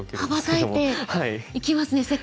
羽ばたいていきますね